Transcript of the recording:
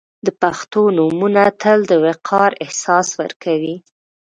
• د پښتو نومونه تل د وقار احساس ورکوي.